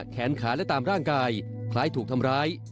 แขนขาและตามร่างกายคล้ายถูกทำร้าย